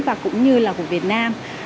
và cũng như là của việt nam